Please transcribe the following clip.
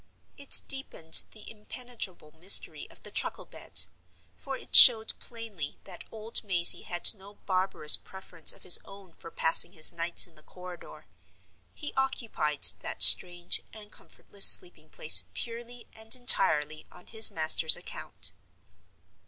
It deepened the impenetrable mystery of the truckle bed; for it showed plainly that old Mazey had no barbarous preference of his own for passing his nights in the corridor; he occupied that strange and comfortless sleeping place purely and entirely on his master's account.